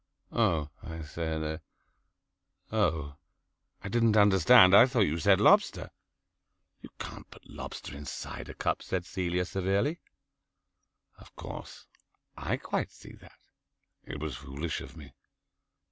"Oh," I said, "oh, I didn't understand. I thought you said lobster." "You can't put lobster in cider cup," said Celia severely. Of course I quite see that. It was foolish of me.